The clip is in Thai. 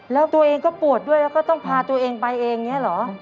แล้วตัวเองก็ปวดด้วยแล้วก็ต้องพาตัวเองไปเองอย่างนี้เหรอ